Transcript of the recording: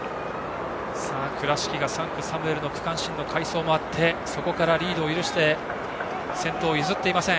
倉敷が３区、サムエルの区間新の快走もあってそこからリードを許して先頭を譲っていません。